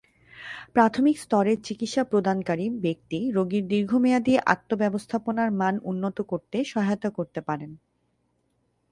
প্রাথমিক স্তরের চিকিৎসা প্রদানকারী ব্যক্তি রোগীর দীর্ঘমেয়াদী আত্ম-ব্যবস্থাপনার মান উন্নত করতে সহায়তা করতে পারেন।